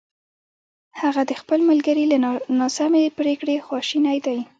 هغه د خپل ملګري له ناسمې پرېکړې خواشینی دی!